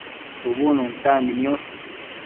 shubu nuntambi niosh